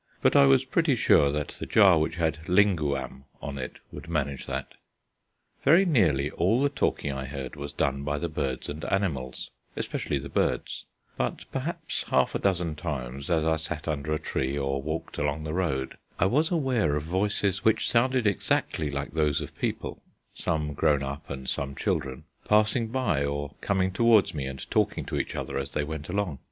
But I was pretty sure that the jar which had linguam on it would manage that. Very nearly all the talking I heard was done by the birds and animals especially the birds; but perhaps half a dozen times, as I sat under a tree or walked along the road, I was aware of voices which sounded exactly like those of people (some grown up and some children) passing by or coming towards me and talking to each other as they went along.